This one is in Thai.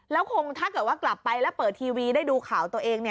แล้วคงถ้าเกิดว่ากลับไปแล้วเปิดทีวีได้ดูข่าวตัวเอง